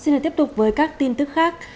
xin hãy tiếp tục với các tin thức khác